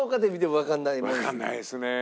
わからないですね。